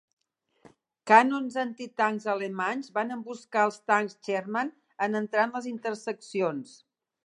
Canons antitancs alemanys van emboscar els tancs Sherman en entrar en les interseccions.